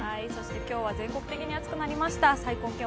今日は全国的に暑くなりました。